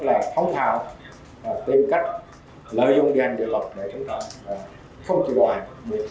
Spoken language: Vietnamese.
lên phương án truy bắt đối tượng